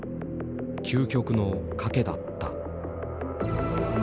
究極の賭けだった。